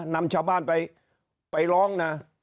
นำชาวบ้านไปร้องนะ